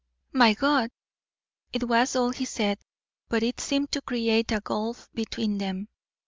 '" "My God!" It was all he said, but it seemed to create a gulf between them.